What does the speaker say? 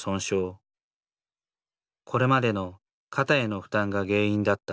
これまでの肩への負担が原因だった。